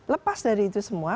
lepas dari itu semua